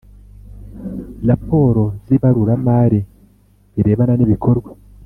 raporo z ibaruramari birebana n ibikorwa